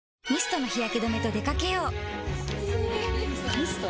ミスト？